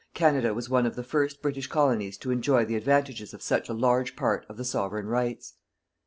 Canada was one of the first British colonies to enjoy the advantages of such a large part of the Sovereign rights.